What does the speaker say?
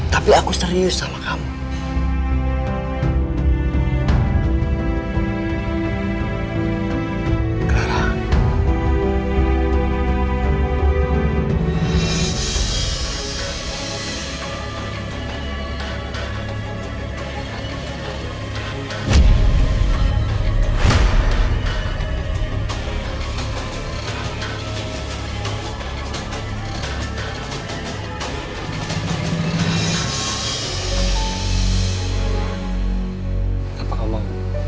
tapi aku serius sama kamu